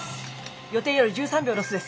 予定より１３秒ロスです。